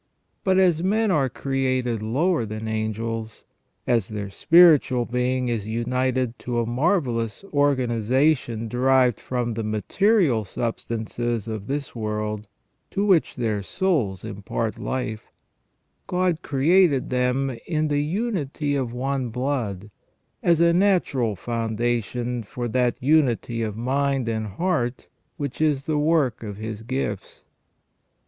But as men are created lower than the angels ; as their spiritual being is united to a marvellous organization derived from the material substances of this world, to which their souls impart life, God created them in the unity of one blood, as a natural foundation for that unity of mind and heart which is the work of His gifts.